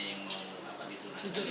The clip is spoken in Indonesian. itulah yang terakhir